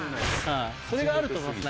それがあると思います